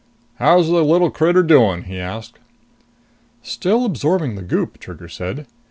"How's the little critter doing?" he asked. "Still absorbing the goop," Trigger said.